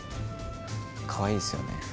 かわいいですよね。